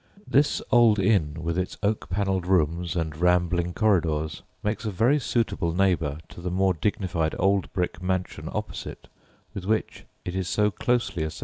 This old inn, with its oak panelled rooms and rambling corridors, makes a very suitable neighbour to the more dignified old brick mansion opposite, with which it is so closely associated.